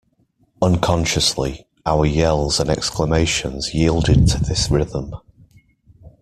Unconsciously, our yells and exclamations yielded to this rhythm.